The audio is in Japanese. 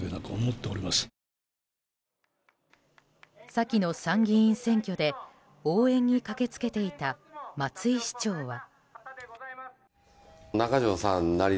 先の参議院選挙で応援に駆け付けていた松井市長は。